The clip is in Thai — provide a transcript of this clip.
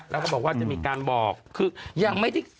แล้วก็บอกว่าจะมีการบอกคือยังไม่ได้